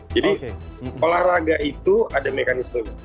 jadi olahraga itu ada mekanisme